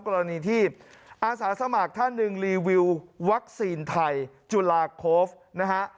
กรณีที่อาสาสมัครท่านหนึ่งรีวิววัคซีนไทยจุฬาโคฟนะฮะ